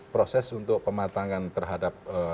proses untuk pematangan terhadap